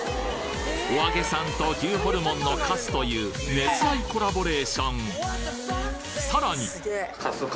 おあげさんと牛ホルモンのかすという熱愛コラボレーションさらに